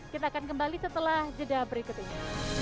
kita akan kembali setelah jeda berikutnya